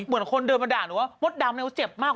เหมือนคนเดินมาด่าหนูว่ามดดำเจ็บมาก